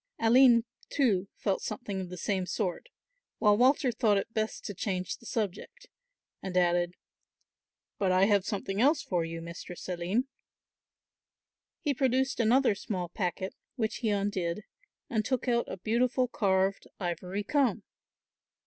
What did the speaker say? Aline too felt something of the same sort, while Walter thought it best to change the subject, and added, "But I have something else for you, Mistress Aline." He produced another small packet, which he undid, and took out a beautiful carved ivory comb.